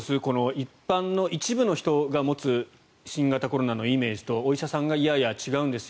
一般の人が持つ新型コロナのイメージとお医者さんがいやいや違うんですよ